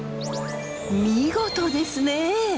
見事ですね！